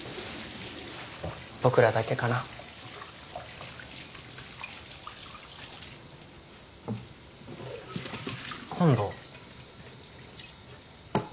僕らだけかな。今度。